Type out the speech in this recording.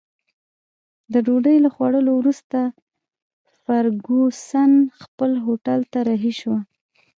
د ډوډۍ له خوړلو وروسته فرګوسن خپل هوټل ته رهي شوه.